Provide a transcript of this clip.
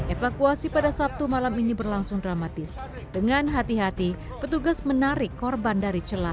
evakuasi pada sabtu malam ini berlangsung dramatis dengan hati hati petugas menarik korban dari celah